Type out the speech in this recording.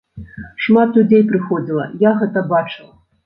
Шмат людзей прыходзіла, я гэта бачыў.